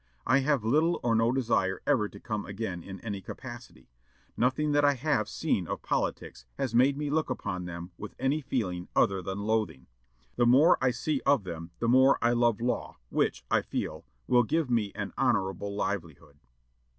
I have little or no desire ever to come again in any capacity. Nothing that I have seen of politics has made me look upon them with any feeling other than loathing. The more I see of them the more I love law, which, I feel, will give me an honorable livelihood."